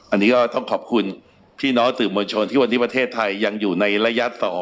อันนี้ก็ต้องขอบคุณพี่น้องสื่อมวลชนที่วันนี้ประเทศไทยยังอยู่ในระยะ๒